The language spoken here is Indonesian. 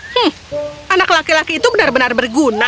hmm anak laki laki itu benar benar berguna